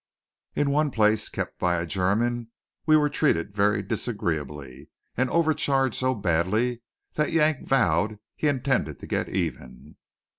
In one place, kept by a German, we were treated very disagreeably, and overcharged so badly that Yank vowed he intended to get even.